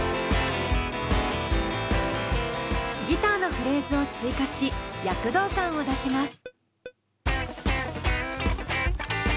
ギターのフレーズを追加し躍動感を出します。